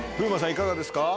いかがですか？